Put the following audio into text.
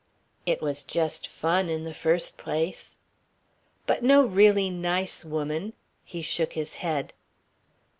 "It was just fun, in the first place." "But no really nice woman " he shook his head.